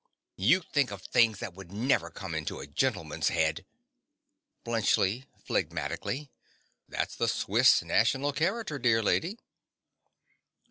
You think of things that would never come into a gentleman's head. BLUNTSCHLI. (phlegmatically). That's the Swiss national character, dear lady.